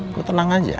gue tenang aja